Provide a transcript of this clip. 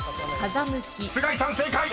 ［須貝さん正解。